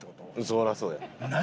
そらそうや。